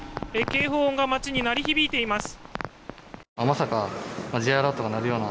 警報音が街に鳴り響いています。